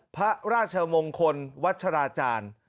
พระราชมงคลวัชราจารย์